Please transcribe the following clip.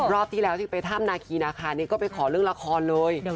ลับที่แรกเอาฉันไปทั้งนางคีนะคะนี่ก็ไปขอเรื่องละครเลย